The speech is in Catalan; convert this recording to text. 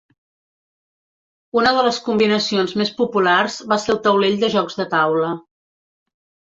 Una de les combinacions més populars va ser el taulell de jocs de taula.